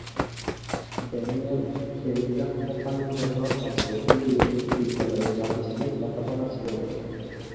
Daniel telegraph কোম্পানির জন্য কাজ করতে গিয়ে বিদ্যালয়ের প্রাতিষ্ঠানিক লেখাপড়া ছেড়ে দেন।